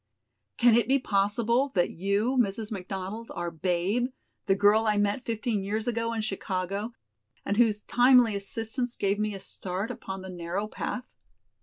"Can it be possible that you, Mrs. McDonald, are 'Babe', the girl I met fifteen years ago in Chicago, and whose timely assistance gave me a start upon the narrow path?"